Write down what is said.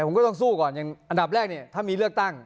ผมก็ต้องสู้ก่อนอันดับแรกถ้ามีเลือกตั้ง